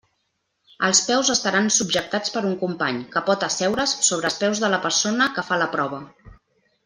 Els peus estaran subjectats per un company, que pot asseure's sobre els peus de la persona que fa la prova.